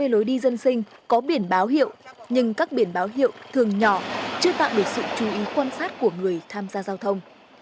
hai mươi lối đi dân sinh có biển báo hiệu nhưng các biển báo hiệu thường nhỏ chưa tạo được sự chú ý quan sát của người tham gia giao thông